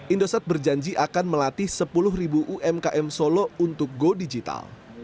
indosat berjanji akan melatih sepuluh ribu umkm solo untuk go digital